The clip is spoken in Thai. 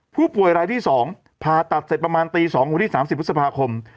ผู้ป่วยรายที่๒ผ่าตัดเสร็จประมาณตี๒วันที่๓๐พฤษภาคม